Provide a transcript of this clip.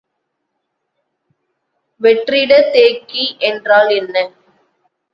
வெற்றிடத் தேக்கி என்றால் என்ன?